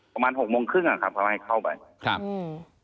ประมาณ๖โมงครึ่งอะครับทำให้เข้าไป